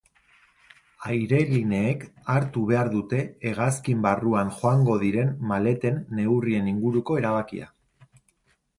Airelineek hartu behar dute hegazkin barruan joango diren maleten neurrien inguruko erabakia.